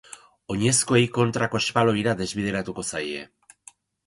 Oinezkoei kontrako espaloira desbideratuko zaie.